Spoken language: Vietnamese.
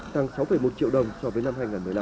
tăng sáu một triệu đồng so với năm hai nghìn một mươi năm